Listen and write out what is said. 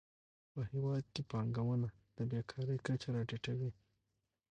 په هیواد کې پانګونه د بېکارۍ کچه راټیټوي.